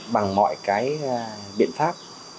bằng mọi cái biện pháp